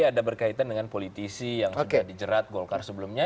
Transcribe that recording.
ada berkaitan dengan politisi yang sudah dijerat golkar sebelumnya